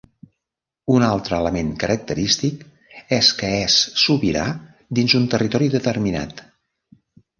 Un altre element característic és que és sobirà dins un territori determinat.